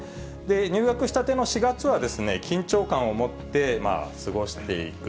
入学したての４月は、緊張感を持って過ごしていく。